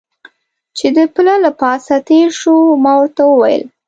چې د پله له پاسه تېر شو، ما ورته وویل.